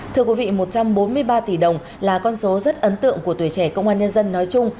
thưa quý vị một trăm bốn mươi ba tỷ đồng là con số rất ấn tượng của tuổi trẻ công an nhân dân nói chung